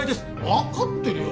わかってるよ。